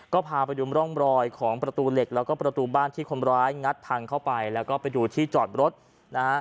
ก็พาไปดูร่องรอยของประตูเหล็กแล้วก็ประตูบ้านที่คนร้ายงัดพังเข้าไปแล้วก็ไปดูที่จอดรถนะฮะ